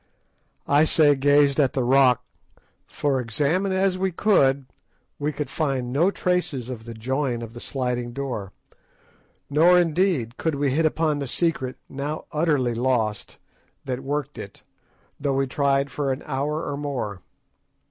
I say gazed at the "rock," for, examine as we could, we could find no traces of the join of the sliding door; nor, indeed, could we hit upon the secret, now utterly lost, that worked it, though we tried for an hour or more.